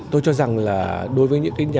tôi cho rằng là đối với những nhà đầu tư nhỏ lẻ